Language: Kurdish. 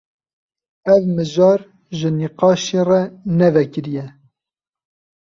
Ev mijar ji nîqaşê re ne vekirî ye.